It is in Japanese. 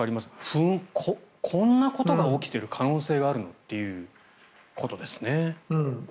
ふーん、こんなことが起きている可能性があるのってことですね。